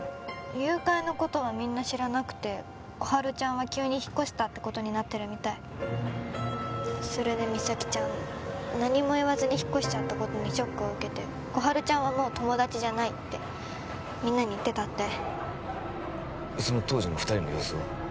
誘拐のことはみんな知らなくて心春ちゃんは急に引っ越したってことになってるみたいそれで実咲ちゃん何も言わずに引っ越しちゃったことにショックを受けて心春ちゃんはもう友達じゃないってみんなに言ってたってその当時の二人の様子は？